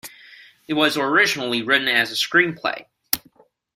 It was originally written as a screenplay.